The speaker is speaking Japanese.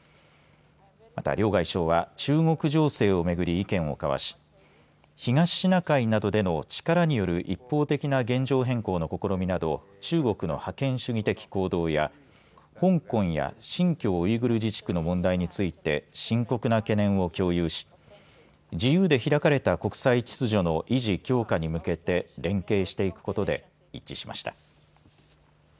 また、両外相は中国情勢をめぐり意見を交わし東シナ海などでの力による一方的な現状変更の試みなど中国の覇権主義的行動や香港や新疆ウイグル自治区の問題について深刻な懸念を共有し自由で開かれた国際秩序の維持、強化に向けて連携していくことで一致しました。